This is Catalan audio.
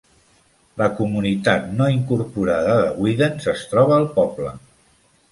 La comunitat no incorporada de Weedens es troba al poble.